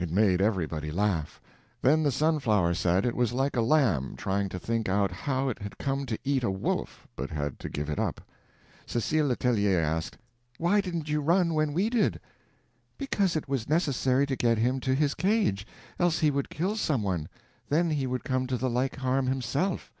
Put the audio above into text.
It made everybody laugh. Then the Sunflower said it was like a lamb trying to think out how it had come to eat a wolf, but had to give it up. Cecile Letellier asked, "Why didn't you run when we did?" "Because it was necessary to get him to his cage; else he would kill some one. Then he would come to the like harm himself."